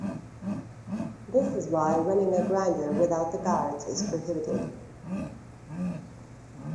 This is why running a grinder without the guards is prohibited.